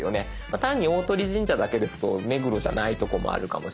単に「大鳥神社」だけですと目黒じゃないとこもあるかもしれない。